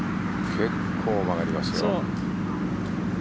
結構、曲がりますよ。